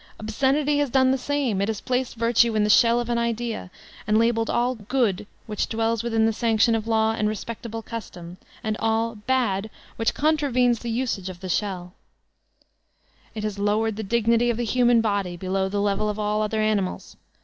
Ob scenity has done the same; it has placed virtue in the shell of an idea, and labelled all "good" which dwells within the sanction of Law and respectable (?) custom; and all bad which contravenes the usage of the shell It has lowered the dignity of the human body, below die level of all other animals.